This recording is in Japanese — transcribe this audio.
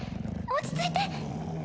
落ち着いて？